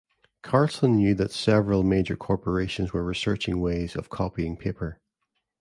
Carlson knew that several major corporations were researching ways of copying paper.